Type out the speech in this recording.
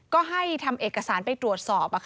ก็ให้ทำเอกสารไปตรวจสอบ